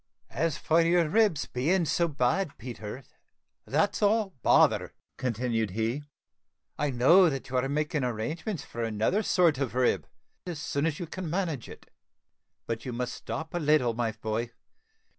"As for your ribs being so bad, Peter, that's all bother," continued he; "I know that you are making arrangements for another sort of rib, as soon as you can manage it; but you must stop a little, my boy.